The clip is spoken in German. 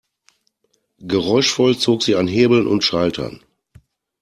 Geräuschvoll zog sie an Hebeln und Schaltern.